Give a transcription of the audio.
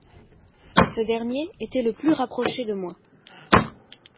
Ce dernier était le plus rapproché de moi.